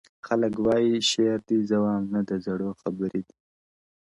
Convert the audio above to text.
• خلګ وایې شعر دی زه وام نه د زړو خبري دي..